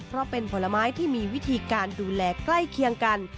เพราะเป็นผลไม้ที่มีวิธีการดูแลใกล้เคียงกัน